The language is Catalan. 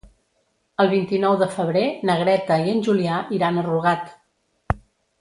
El vint-i-nou de febrer na Greta i en Julià iran a Rugat.